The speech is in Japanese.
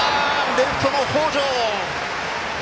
レフトの北條！